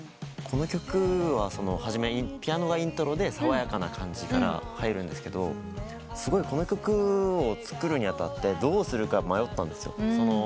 この曲は初めにピアノがイントロで爽やかな感じから入るんですけどすごいこの曲を作るに当たってどうするか迷ったんですよ。